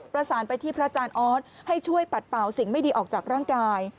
ประสานไปที่พระอาจารย์ออสให้ช่วยปัดเป่าสิ่งไม่ดีออกจากร่างกาย